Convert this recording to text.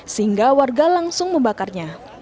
sehingga warga langsung membakarnya